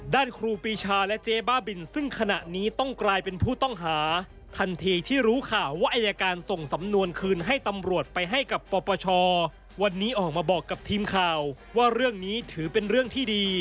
ครูปีชาและเจ๊บ้าบินซึ่งขณะนี้ต้องกลายเป็นผู้ต้องหาทันทีที่รู้ข่าวว่าอายการส่งสำนวนคืนให้ตำรวจไปให้กับปปชวันนี้ออกมาบอกกับทีมข่าวว่าเรื่องนี้ถือเป็นเรื่องที่ดี